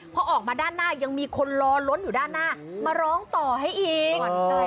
พอออกมาด้านหน้ายังมีคนรอล้นอยู่ด้านหน้ามาร้องต่อให้อีก